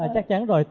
chắc chắn rồi